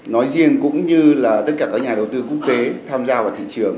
nói riêng cũng như là tất cả các nhà đầu tư quốc tế tham gia vào thị trường